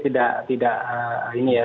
tidak tidak ini ya